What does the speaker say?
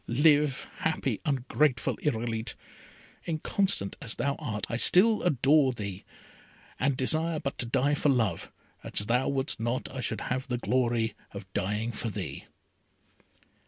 Live happy, ungrateful Irolite! Inconstant as thou art, I still adore thee, and desire but to die for love, as thou wouldst not I should have the glory of dying for thee!"